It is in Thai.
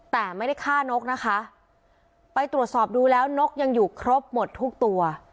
แต่ไม่ได้ฆ่านกนะคะไปตรวจสอบดูแล้วนกยังอยู่ครบหมดทุกตัว